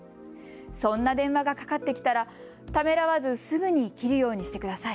そんな電話がかかってきたらためらわずすぐに切るようにしてください。